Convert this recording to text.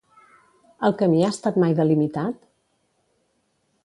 El camí ha estat mai delimitat?